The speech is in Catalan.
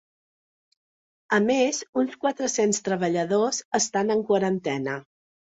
A més, uns quatre-cents treballadors estan en quarantena.